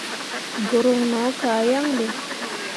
Guruŋ no kah yaŋ ɓe.